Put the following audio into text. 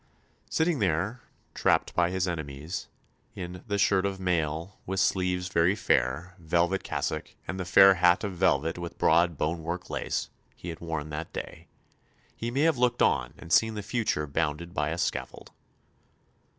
Sitting there, trapped by his enemies, in "the shirt of mail, with sleeves very fair, velvet cassock, and the fair hat of velvet with broad bone work lace" he had worn that day, he may have looked on and seen the future bounded by a scaffold.